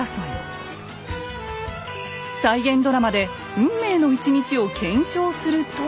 再現ドラマで運命の１日を検証すると。